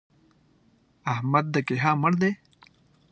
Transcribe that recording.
احمد د کيها مړ دی!